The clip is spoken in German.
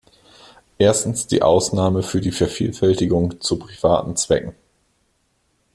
Erstens die Ausnahme für die Vervielfältigung zu privaten Zwecken.